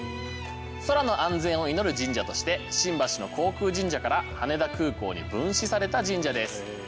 空の安全を祈る神社として新橋の航空神社から羽田空港に分祠された神社です。